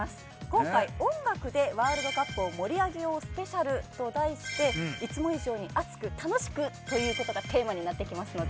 今回音楽でワールドカップを盛り上げようスペシャルと題していつも以上に熱く楽しくということがテーマになってきますので。